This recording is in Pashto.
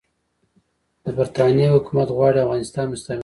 د برټانیې حکومت غواړي افغانستان مستعمره کړي.